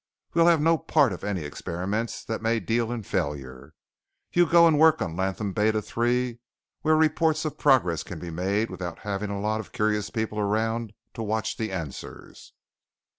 We'll have no part of any experiments that may deal in failure. You'll go and work on Latham Beta III where reports of progress can be made without having a lot of curious people around to watch the answers."